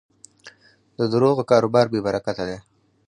د دروغو کاروبار بېبرکته دی.